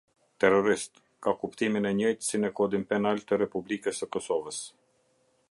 Terrorist - ka kuptimin e njëjtë si në Kodin Penal të Republikës së Kosovës.